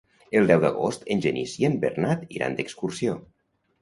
El deu d'agost en Genís i en Bernat iran d'excursió.